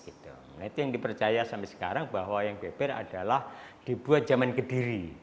itu yang dipercaya sampai sekarang bahwa wayang beber adalah dibuat zaman ke diri